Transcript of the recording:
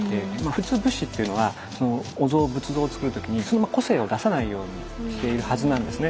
普通仏師っていうのはお像仏像をつくる時に個性を出さないようにしているはずなんですね。